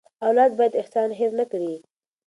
اولاد باید احسان هېر نه کړي.